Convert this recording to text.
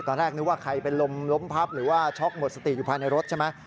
ตอนแรกนึกว่าใครเป็นลมล้มพับหรือว่าช็อกหมดสติอยู่ภายในรถใช่ไหม